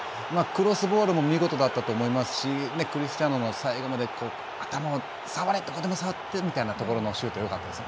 クロスボールも見事だったと思いますしクリスチアーノの最後、頭どこでも触ってみたいなところのシュートよかったです。